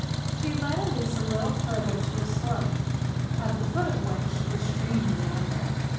She led Elise a little further to a slope, at the foot of which the stream meandered.